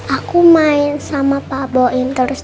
aku main sama pak bo intus